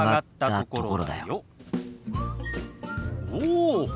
おお！